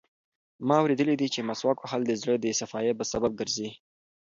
ما اورېدلي دي چې مسواک وهل د زړه د صفایي سبب ګرځي.